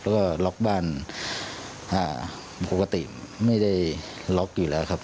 แล้วก็ล็อกบ้านปกติไม่ได้ล็อกอยู่แล้วครับ